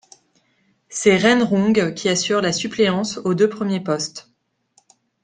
C'est Ren Rong qui assure la suppléance aux deux premiers postes.